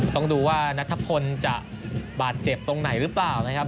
ต้องดูว่านัทพลจะบาดเจ็บตรงไหนหรือเปล่านะครับ